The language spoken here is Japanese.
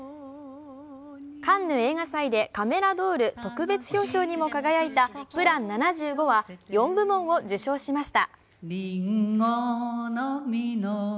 カンヌ映画祭でカメラドール特別表彰にも輝いた「ＰＬＡＮ７５」は、４部門を受賞しました。